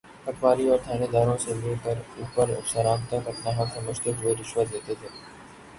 پٹواری اورتھانیداروں سے لے کر اوپر افسران تک اپنا حق سمجھتے ہوئے رشوت لیتے تھے۔